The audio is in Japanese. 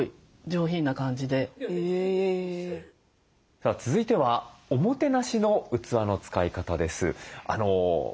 さあ続いてはおもてなしの器の使い方です。